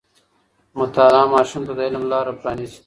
مطالعه ماشوم ته د علم لاره پرانیزي.